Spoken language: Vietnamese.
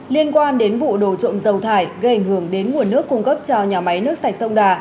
liên quan đến vụ đổ trộm dầu thải gây ảnh hưởng đến nguồn nước cung cấp cho nhà máy nước sạch sông đà